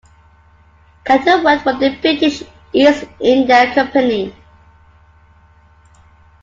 Cantor worked for the British East India Company.